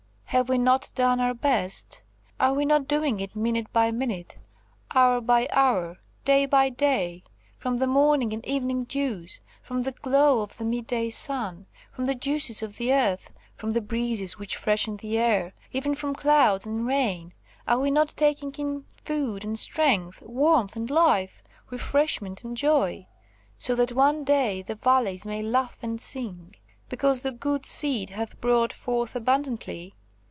Have we not done our best? Are we not doing it minute by minute, hour by hour, day by day? From the morning and evening dews, from the glow of the midday sun, from the juices of the earth, from the breezes which freshen the air, even from clouds and rain, are we not taking in food and strength, warmth and life, refreshment and joy; so that one day the valleys may laugh and sing, because the good seed hath brought forth abundantly?